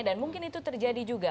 dan mungkin itu terjadi juga